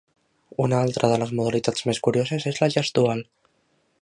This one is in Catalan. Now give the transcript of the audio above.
Una altra de les modalitats més curioses és la gestual.